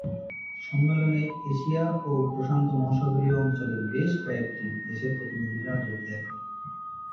সম্মেলনে এশিয়া ও প্রশান্ত মহাসাগরীয় অঞ্চলের বেশ কয়েকটি দেশের প্রতিনিধিরা যোগ দেন।